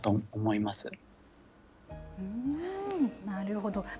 なるほど。